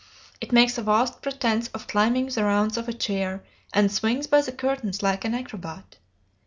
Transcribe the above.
It makes a vast pretence of climbing the rounds of a chair, and swings by the curtains like an acrobat.